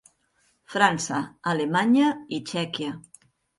França, Alemanya i Txèquia.